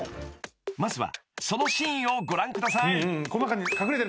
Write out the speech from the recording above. ［まずはそのシーンをご覧ください］